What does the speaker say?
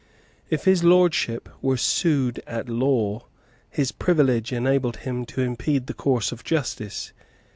If His Lordship were sued at law, his privilege enabled him to impede the course of justice.